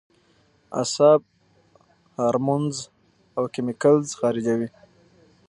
اعصاب هارمونز او کېميکلز خارجوي